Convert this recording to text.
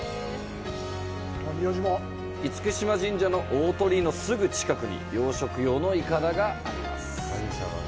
嚴島神社の大鳥居のすぐ近くに養殖用のいかだがあります。